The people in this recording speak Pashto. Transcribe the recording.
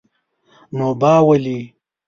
نو با ولي?